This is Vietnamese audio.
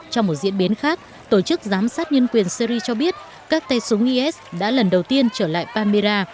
trong một diễn biến khác tổ chức giám sát nhân quyền syri cho biết các tay súng is đã lần đầu tiên trở lại pamira